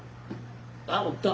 あおった！